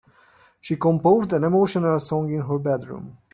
She composed an emotional song in her bedroom.